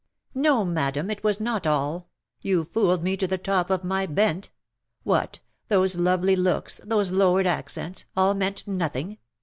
'^" No; madam,, it was not all. You fooled me to the top of my bent. What^ those lovely looks^ those lowered accents — all meant nothing